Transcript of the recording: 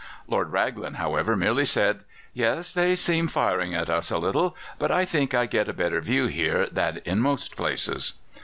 Lord Raglan, however, merely said: "Yes, they seem firing at us a little; but I think I get a better view here than in most places."